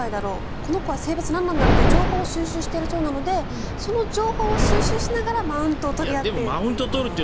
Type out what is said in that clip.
この子は性別何なんだろう？と情報を収集しているそうなのでその情報を収集しながらマウントを取り合っている。